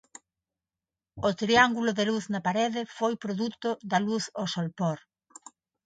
O triángulo de luz na parede foi produto da luz ao solpor.